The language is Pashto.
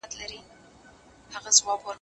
زه اوس کښېناستل کوم،